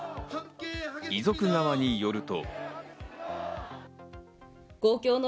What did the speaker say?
遺族側によると。